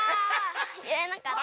いえなかった。